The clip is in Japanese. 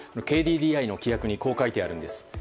ＫＤＤＩの規約にこう書いてあるんです。